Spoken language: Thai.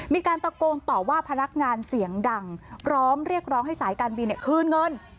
มีการตะโกนต่อว่าพนักงานเสียงดังพร้อมเรียกร้องให้สายการบินคืนเงิน